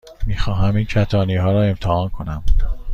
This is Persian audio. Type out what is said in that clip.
می خواهم این کتانی ها را امتحان کنم.